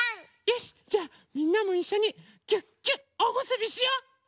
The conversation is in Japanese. よしじゃあみんなもいっしょにぎゅっぎゅっおむすびしよう！